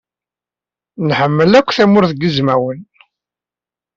Nḥemmel akk Tamurt n Yizwawen.